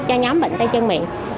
cho nhóm bệnh tay chân miệng